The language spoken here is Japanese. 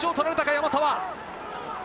山沢。